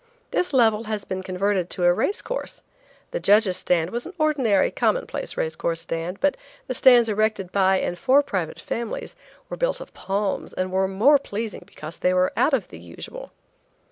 This level has been converted into a race course. The judges' stand was an ordinary, commonplace race course stand, but the stands erected by and for private families, were built of palms and were more pleasing because they were out of the usual.